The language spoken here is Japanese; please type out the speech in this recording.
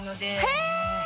へえ！